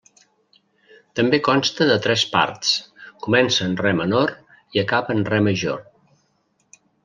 També consta de tres parts; comença en re menor i acaba en re major.